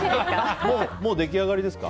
もう出来上がりですか？